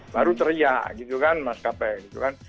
baru teriak gitu kan maskapai gitu kan